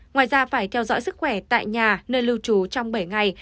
ngoài ra phải theo dõi sức khỏe tại nhà nơi lưu trú trong bảy ngày